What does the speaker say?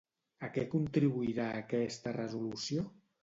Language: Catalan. A què contribuirà aquesta resolució?